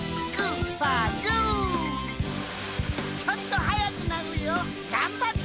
ちょっと速くなるよ頑張って！